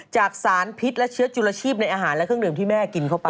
จากสารพิษและเชื้อจุลชีพในอาหารและเครื่องดื่มที่แม่กินเข้าไป